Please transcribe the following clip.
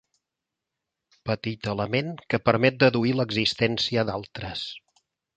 Petit element que permet deduir l'existència d'altres.